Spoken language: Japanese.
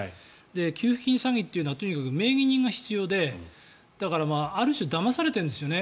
給付金詐欺というのはとにかく名義人が必要でだから、ある種だまされているんですね